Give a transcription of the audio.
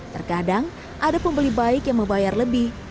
terkadang ada pembeli baik yang membayar lebih